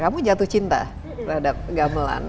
kamu jatuh cinta terhadap gamelan